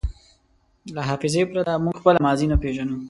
له حافظې پرته موږ خپله ماضي نه پېژنو.